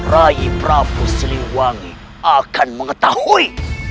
rai prabu siliwangi akan mengetahui